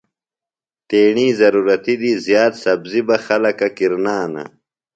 تیݨی ضرورتی دی زِیات سبزیۡ بہ خلکہ کِرنانہ۔